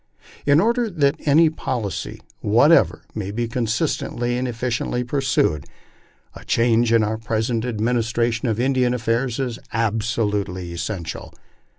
... In order that any policy whatever may be consistently and efficiently pursued, a change in our present administration of Indian a3airs is absolutely essential.